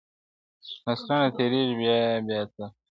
نسلونه تېرېږي بيا بيا تل-